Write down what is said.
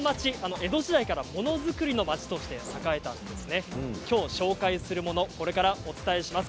江戸時代から、ものづくりの街として栄えてきました。